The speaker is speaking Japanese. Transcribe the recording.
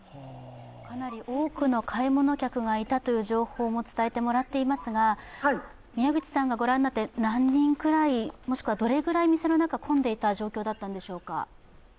かなり多くの買い物客がいたという情報も伝えてもらっていますが宮口さんがご覧になって何人ぐらい、どのぐらい店は混んでいるような状況でしたでしょうか？